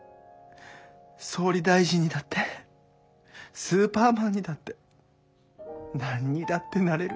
総理大臣にだってスーパーマンにだって何にだってなれる」。